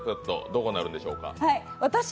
どこになるんでしょう？